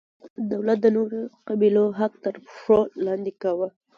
دولت د نورو قبیلو حق تر پښو لاندې کاوه.